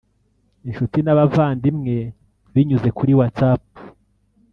inshuti n’abavandimwe binyuze kuri WatsApp